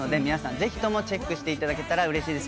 ぜひともチェックしていただけたらうれしいです。